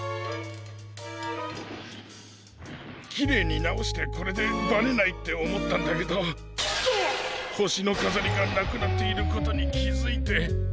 きれいになおしてこれでバレないっておもったんだけどほしのかざりがなくなっていることにきづいて。